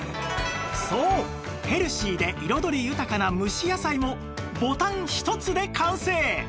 そうヘルシーで彩り豊かな蒸し野菜もボタン一つで完成！